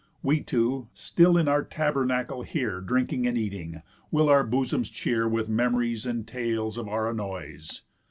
We two, still in our tabernacle here Drinking and eating, will our bosoms cheer With memories and tales of our annoys.